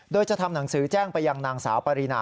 โดยจะทำหนังสือแจ้งไปยังนางสาวปรินา